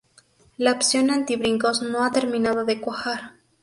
La opción anti-Brincos no ha terminado de cuajar.